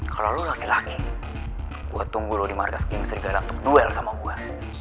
kalo lo laki laki gue tunggu lo di markas geng serigala untuk duel sama gue